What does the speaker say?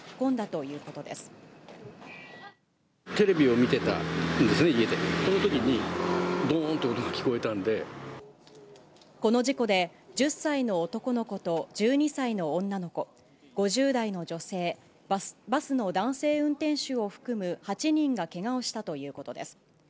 そのときに、この事故で、１０歳の男の子と１２歳の女の子、５０代の女性、バスの男性運転手を含む８人がけがをしたということです。